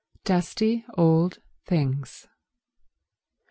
Dusty old things.